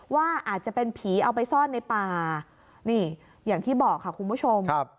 ว่าอาจจะเป็นผีเอาไปซ่อนในป่านี่อย่างที่บอกค่ะคุณผู้ชม